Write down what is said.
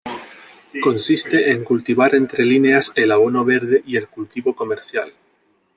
Consiste en cultivar entre líneas el abono verde y el cultivo comercial.